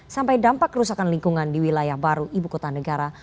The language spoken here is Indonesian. sampai dampak kerusakan lingkungan di wilayah baru ibu kota negara